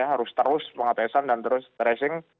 harus terus pengetesan dan terus tracing